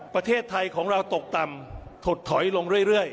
ประเทศไทยของเราตกต่ำถดถอยลงเรื่อย